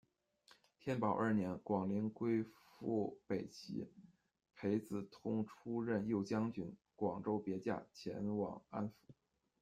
天保二年，广陵归附北齐，裴子通出任右将军、广州别驾，前往安抚。